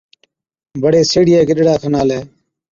بڙي سيهڙِيئَي گِڏرا کن آلَي،